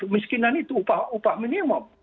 miskinan itu upah minimum